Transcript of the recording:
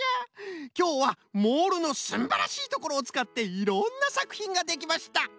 きょうはモールのすんばらしいところをつかっていろんなさくひんができました。